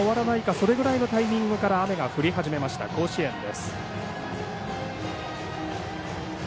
それくらいのタイミングくらいから雨が降りだしました甲子園です。